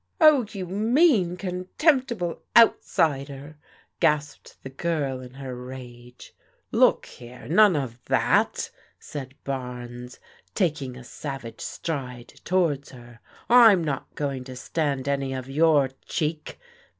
"Oh, you mean, contemptible outsider," gasped the girl in her rage. " Look here, none of that !" said Barnes, taking a sav age stride towards her. " I'm not going to stand any of your cheek.